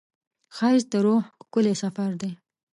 ښایست د روح ښکلی سفر دی